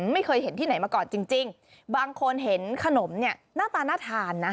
ไม่เคยเห็นที่ไหนมาก่อนจริงบางคนเห็นขนมเนี่ยหน้าตาน่าทานนะ